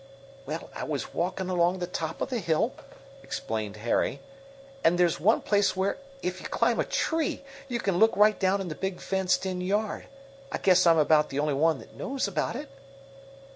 "Well, I was walking along the top of the hill," explained Harry, "and there's one place where, if you climb a tree, you can look right down in the big fenced in yard. I guess I'm about the only one that knows about it."